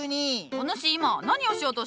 お主今何をしようとした？